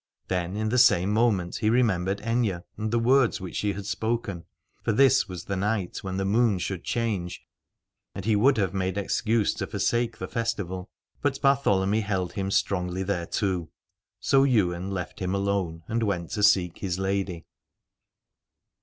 Then in the same moment he remembered Aithne and the words which she had spoken : for this was the night when the moon should change. And he would have made excuse to forsake the festival : but Bartholomy held him strongly thereto. So Ywain left him alone and went to seek his lady.